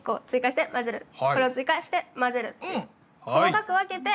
これを追加して混ぜる。